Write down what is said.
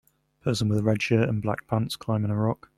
Person with red shirt and black pants climbing a rock.